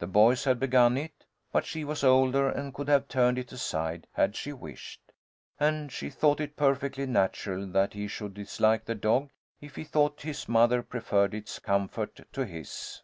The boys had begun it, but she was older and could have turned it aside had she wished. And she thought it perfectly natural that he should dislike the dog if he thought his mother preferred its comfort to his.